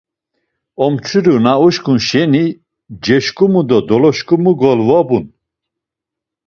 Omçiru na uşǩun şeni ceşǩumu do doluşǩumu golvobun.